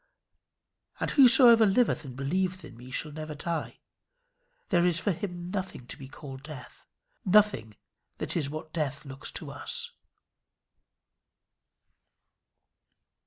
"And whosoever liveth and believeth in me shall never die." There is for him nothing to be called death; nothing that is what death looks to us.